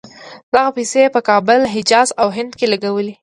دغه پیسې یې په کابل، حجاز او هند کې لګولې.